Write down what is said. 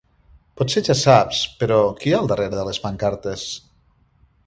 Potser ja saps, però, qui hi ha al darrere de les pancartes.